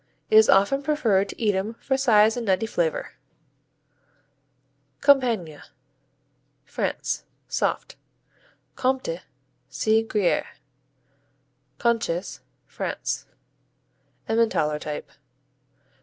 It is often preferred to Edam for size and nutty flavor. Compiègne France Soft Comté see Gruyère. Conches France Emmentaler type.